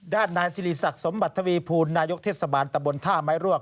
ด้านนายสิริศักดิ์สมบัติทวีภูลนายกเทศบาลตะบนท่าไม้รวก